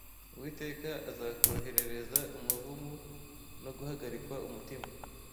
Uwiteka azakoherereza umuvumo no guhagarikwa umutima